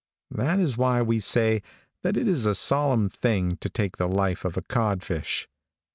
That is why we say that it is a solemn thing to take the life of a codfish.